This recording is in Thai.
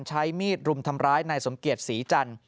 ใช้มีดรุมทำร้ายนายสมเกียจศรีจันทร์